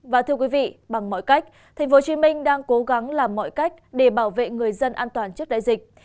và thưa quý vị bằng mọi cách tp hcm đang cố gắng làm mọi cách để bảo vệ người dân an toàn trước đại dịch